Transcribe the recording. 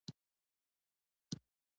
لېندۍ کې خلک ګرمې جامې اغوندي.